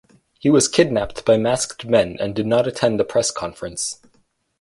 He was kidnapped by masked men and did not attend the press conference.